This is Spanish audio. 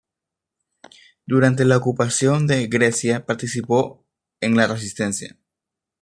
Durante la ocupación de Grecia participó en la resistencia.